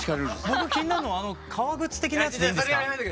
僕気になるのは革靴的なやつでいいんですか？